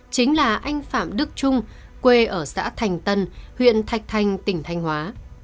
chính là anh phạm đức trung quê ở xã thành tân huyện thạch thành tỉnh thanh hóa